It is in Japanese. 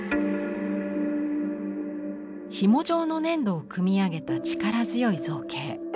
ひも状の粘土を組み上げた力強い造形。